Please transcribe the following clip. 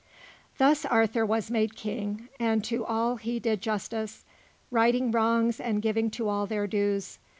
Thus Arthur was made King; and to all he did justice, righting wrongs and giving to all their dues.